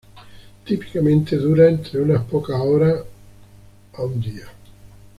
Típicamente dura entre unas pocas horas a un día.